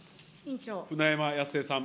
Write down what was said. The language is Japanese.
舟山康江さん。